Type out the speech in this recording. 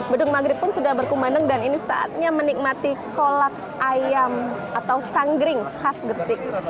bedung maghrib pun sudah berkumandang dan ini saatnya menikmati kolak ayam atau sanggring khas gersik